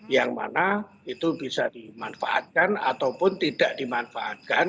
yang mana itu bisa dimanfaatkan ataupun tidak dimanfaatkan